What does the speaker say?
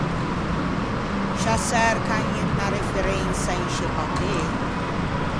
Sciâ çercan unna referensa in sce papê?